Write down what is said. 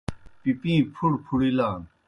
پِپِیں پُھڑہ پُھڑِلان۔